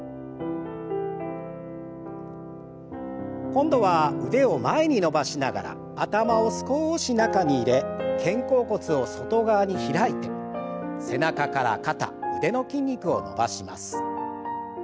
今度は腕を前に伸ばしながら頭を少し中に入れ肩甲骨を外側に開いて背中から肩腕の筋肉を伸ばします。